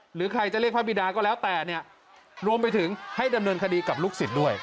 หรือใครจะเรียกพระบิดาก็แล้วแต่เนี่ยรวมไปถึงให้ดำเนินคดีกับลูกศิษย์ด้วย